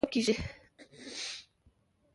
بزګان د افغانستان د موسم د بدلون سبب کېږي.